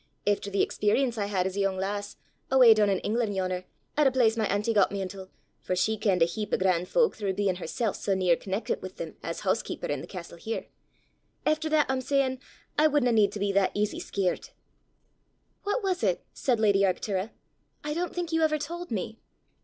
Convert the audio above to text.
Efter the experrience I had as a yoong lass, awa' doon in Englan' yon'er, at a place my auntie got me intil for she kenned a heap o' gran' fowk throuw bein' hersel' sae near conneckit wi' them as hoosekeeper i' the castel here efter that, I'm sayin', I wadna need to be that easy scaret." "What was it?" said lady Arctura. "I don't think you ever told me."